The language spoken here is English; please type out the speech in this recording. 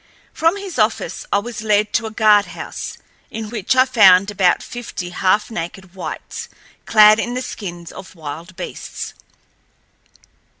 From his office I was led to a guardhouse, in which I found about fifty half naked whites, clad in the skins of wild beasts.